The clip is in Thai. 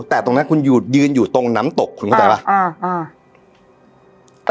แต่ตรงนั้นคุณยืนอยู่ตรงน้ำตกคุณเข้าใจป่ะ